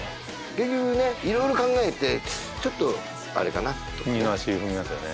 結局ねいろいろ考えて「ちょっとあれかな」とか二の足踏みますよね